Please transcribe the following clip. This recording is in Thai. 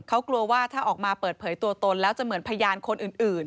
เขากลัวว่าถ้าออกมาเปิดเผยตัวตนแล้วจะเหมือนพยานคนอื่น